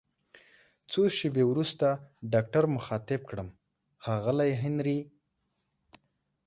څو شیبې وروسته ډاکټر مخاطب کړم: ښاغلی هنري!